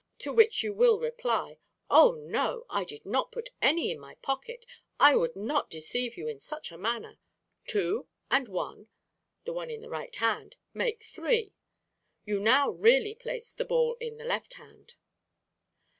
To which you will reply, "Oh! no; I did not put any in my pocket. I would not deceive you in such a manner. Two and one" (the one in the right hand) "make three." You now really place the ball in the left hand.